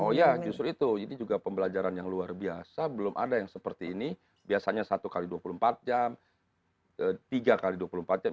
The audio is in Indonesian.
oh ya justru itu ini juga pembelajaran yang luar biasa belum ada yang seperti ini biasanya satu x dua puluh empat jam tiga x dua puluh empat jam